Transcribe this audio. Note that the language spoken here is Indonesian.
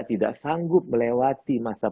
tidak sanggup melewati masa